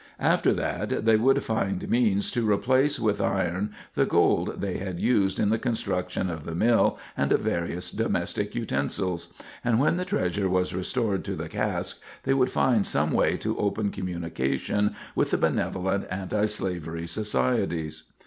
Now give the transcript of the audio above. After that, they would find means to replace with iron the gold they had used in the construction of the mill and of various domestic utensils; and when the treasure was restored to the cask, they would find some way to open communication with the benevolent antislavery societies.